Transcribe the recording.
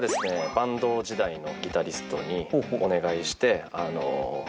バンド時代のギタリストにお願いして。